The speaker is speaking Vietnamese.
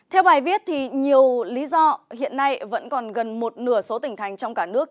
theo bài viết nhiều lý do hiện nay vẫn còn gần một nửa số tỉnh thành trong cả nước